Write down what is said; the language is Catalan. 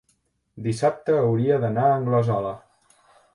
dissabte hauria d'anar a Anglesola.